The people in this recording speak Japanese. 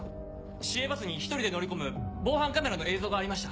市営バスに１人で乗り込む防犯カメラの映像がありました。